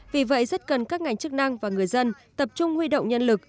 vì vậy rất cần các ngành chức năng và người dân tập trung huy động nhân lực